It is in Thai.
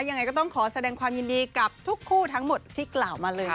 ยังไงก็ต้องขอแสดงความยินดีกับทุกคู่ทั้งหมดที่กล่าวมาเลย